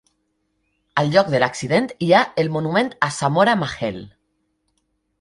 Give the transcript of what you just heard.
Al lloc de l'accident hi ha el monument a Samora Machel.